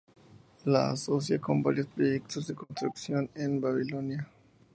La asocia con varios proyectos de construcción en Babilonia.